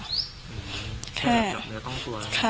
แค่จับเนื้อต้องกลัว